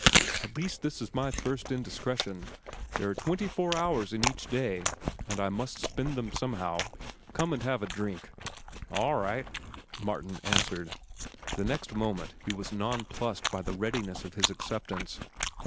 "At least this is my first indiscretion. There are twenty four hours in each day, and I must spend them somehow. Come and have a drink." "All right," Martin answered. The next moment he was nonplussed by the readiness of his acceptance.